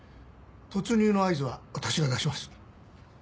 突入の合図は私が出します。